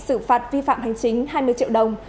xử phạt vi phạm hành chính hai mươi triệu đồng